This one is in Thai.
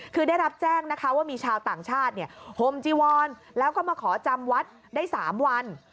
คือได้รับแจ้งนะคะว่ามีชาวต่างชาติห่มจีวรแล้วก็มาขอจำวัดได้๓วัน